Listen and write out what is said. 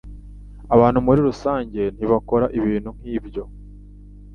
Abantu muri rusange ntibakora ibintu nkibyo.